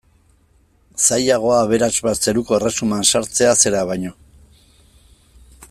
Zailagoa aberats bat zeruko erresuman sartzea zera baino.